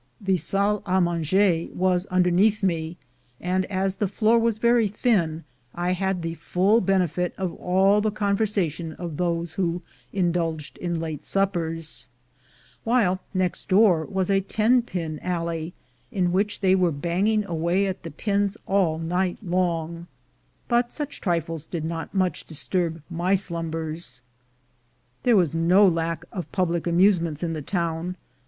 The salle a manger was under neath me, and as the floor was very thin, I had the full benefit of all the conversation of those who in dulged in late suppers, whilst next door was a ten pin alley, in which they were banging away at the pins all night long; but such trifles did not much disturb my slumbers. There was no lack of public amusements in the town.